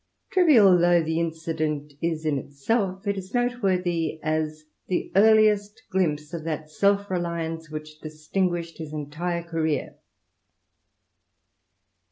Trivial though the incident is in itself, it is noteworthy as the earliest glimpse of that self reliance which distinguished his entire career.